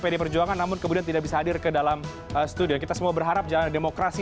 pdi perjuangan namun kemudian tidak bisa hadir ke dalam studio kita semua berharap jalan demokrasi